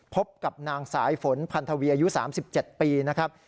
พบกับนางสายฝนพันธวีอายุ๓๗ปีนะครับ